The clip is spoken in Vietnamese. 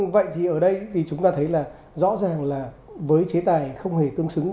vậy thì ở đây thì chúng ta thấy là rõ ràng là với chế tài không hề tương xứng